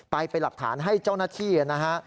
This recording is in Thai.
ไปเป็นหลักฐานให้เจ้าหน้าที่นะฮะ